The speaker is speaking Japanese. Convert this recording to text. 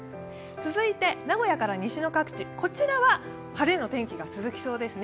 続いて名古屋から西の各地、こちらは晴れの天気が続きそうですね。